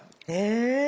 え。